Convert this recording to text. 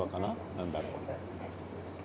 何だろう。